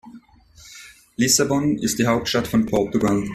Lissabon ist die Hauptstadt von Portugal.